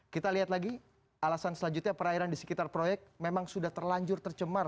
kita lihat lagi alasan selanjutnya perairan di sekitar proyek memang sudah terlanjur tercemar